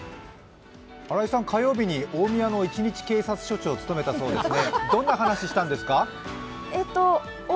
新井さん、火曜日に大宮の一日警察署長を務めたそうですね。